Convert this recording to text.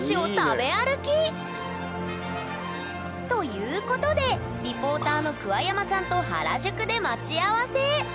いいね！ということでリポーターの桑山さんと原宿で待ち合わせ！